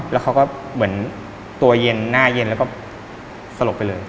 แล้วเขาก็เหมือนตัวเย็นหน้าเย็นแล้วก็สลบไปเลย